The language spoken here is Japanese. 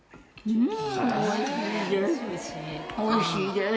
うん！